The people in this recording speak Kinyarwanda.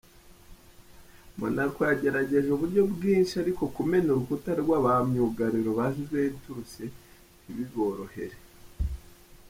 Monaco yagerageje uburyo bwinshi ariko kumena urukuta rwa ba myugariro ba Juventus ntibiborohere.